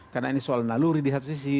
karena ini soal naluri di satu sisi